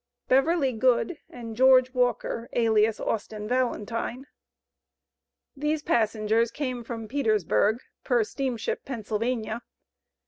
BEVERLY GOOD and GEORGE WALKER, alias Austin Valentine. These passengers came from Petersburg, per steamship Pennsylvania.